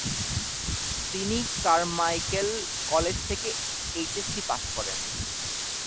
তিনি Carmichael college থেকে HSC pass করেন।